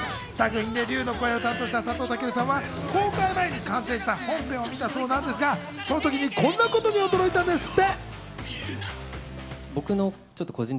作品で竜の声を担当した佐藤健さんは公開前に完成した本編を見たそうなんですが、その時にこんなことに驚いたそうなんですって。